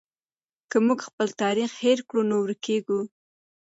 که موږ خپل تاریخ هېر کړو نو ورکېږو.